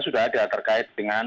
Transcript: sudah ada terkait dengan